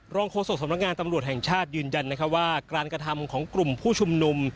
โฆษกสำนักงานตำรวจแห่งชาติยืนยันว่าการกระทำของกลุ่มผู้ชุมนุม